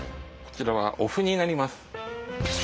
こちらはお麩になります。